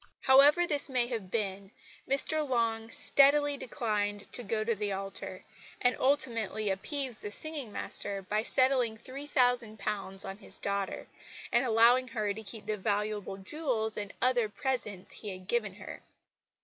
However this may have been, Mr Long steadily declined to go to the altar, and ultimately appeased the singing master by settling £3,000 on his daughter, and allowing her to keep the valuable jewels and other presents he had given her.